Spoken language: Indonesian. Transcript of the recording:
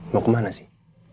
mau kemana sih